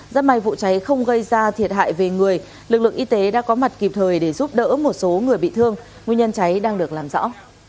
rất may vụ cháy không gây ra thiệt hại về người lực lượng y tế đã có mặt kịp thời để giúp đỡ một số người bị thương nguyên nhân cháy đang được làm rõ